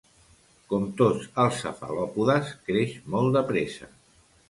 Com tots els cefalòpodes creix molt de pressa.